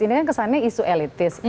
ini kan kesannya isu elitis